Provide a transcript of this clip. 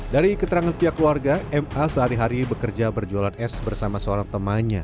dari keterangan pihak keluarga ma sehari hari bekerja berjualan es bersama seorang temannya